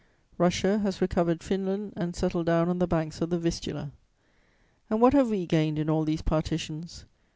"Russia has recovered Finland and settled down on the banks of the Vistula. "And what have we gained in all these partitions?